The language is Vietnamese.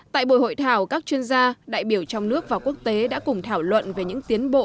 tại buổi hội thảo các chuyên gia đại biểu trong nước và quốc tế đã cùng thảo luận về những tiến bộ